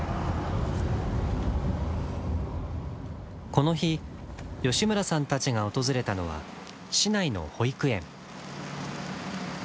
この日吉村さんたちが訪れたのは市内の保育園。